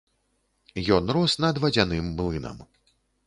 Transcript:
Ён рос над вадзяным млынам.